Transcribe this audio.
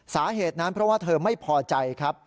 สาเหตุนั้นเพราะว่าเธอไม่พอใจครับ